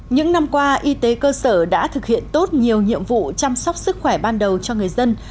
những năm qua y tế cơ sở đã thực hiện tốt nhiều nhiệm vụ chăm sóc sức khỏe ban đầu cho người dân